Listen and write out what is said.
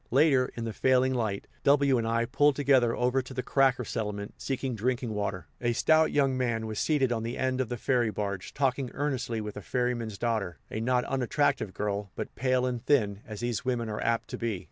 Later, in the failing light, W and I pulled together over to the "cracker" settlement, seeking drinking water. A stout young man was seated on the end of the ferry barge, talking earnestly with the ferryman's daughter, a not unattractive girl, but pale and thin, as these women are apt to be.